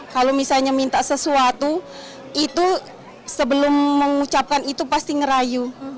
kalau misalnya minta sesuatu itu sebelum mengucapkan itu pasti ngerayu